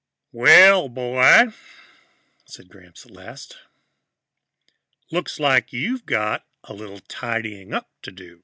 "Well, boy," said Gramps at last, "looks like you've got a little tidying up to do."